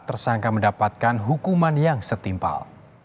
tersangka mendapatkan hukuman yang setimpal